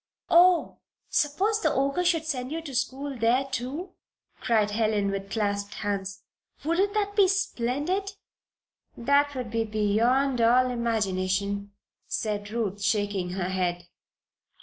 "Oh, suppose the Ogre should send you to school there, too!" cried Helen, with clasped hands. "Wouldn't that be splendid!" "That would be beyond all imagination," said Ruth, shaking her head.